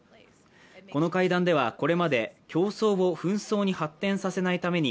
この会談ではこれまで、競争を紛争に発展させないために